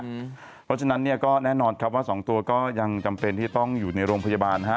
เพราะฉะนั้นเนี่ยก็แน่นอนครับว่า๒ตัวก็ยังจำเป็นที่ต้องอยู่ในโรงพยาบาลนะฮะ